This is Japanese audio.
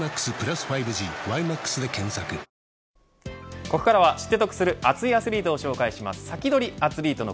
ここからが知って得する熱いアスリートを紹介します。